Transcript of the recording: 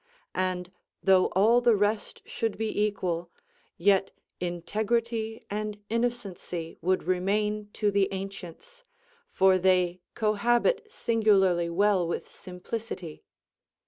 And, though all the rest should be equal, yet integrity and innocency would remain to the ancients, for they cohabit singularly well with simplicity.